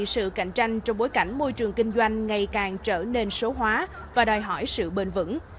sự cạnh tranh trong bối cảnh môi trường kinh doanh ngày càng trở nên số hóa và đòi hỏi sự bền vững